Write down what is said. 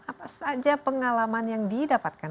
apa saja pengalaman yang didapatkan